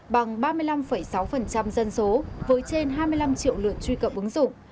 bằng ba mươi năm sáu dân số với trên hai mươi năm triệu lượt truy cập ứng dụng